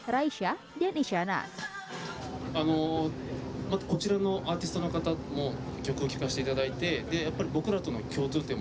rai syar dan jepang